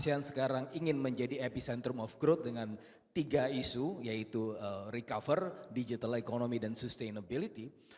yang sekarang ingin menjadi epicentrum of growth dengan tiga isu yaitu recover digital economy dan sustainability